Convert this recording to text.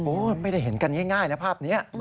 ไม่ได้เห็นกันง่ายนะภาพนี้